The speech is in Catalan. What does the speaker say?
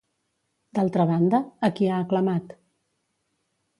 D'altra banda, a qui ha aclamat?